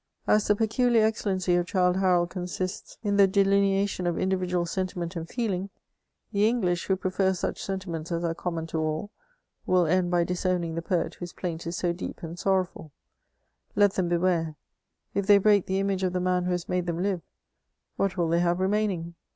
As the peculiar excellency of Childe Harold consists in the de lineation of individual sentiment and feeling, the English, who prefer suc^ sentiments as are common to all, vrill end by dis owning the poet whose plaint is so de^ and sorrowfuL Let them beware : if they break the image of the man who has made them live, what will thej have remaining